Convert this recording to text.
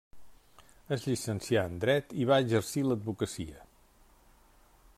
Es llicencià en dret i va exercir l'advocacia.